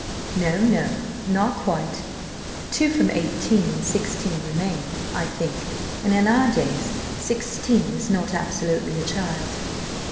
"No, no, not quite; two from eighteen and sixteen remain, I think, and in our days sixteen is not absolutely a child."